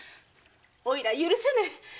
おいら許せねえ！